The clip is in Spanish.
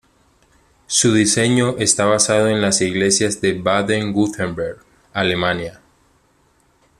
Su diseño está basado en las iglesias de Baden-Wurtemberg, Alemania.